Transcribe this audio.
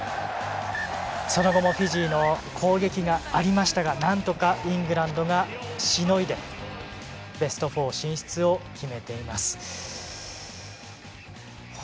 その後もフィジーの攻撃がありましたがなんとかイングランドがしのいでベスト４進出を決めています。